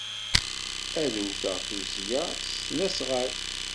Ad d-wteɣ tuzzya s tesnasɣalt.